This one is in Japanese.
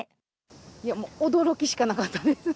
いやもう、驚きしかなかったです。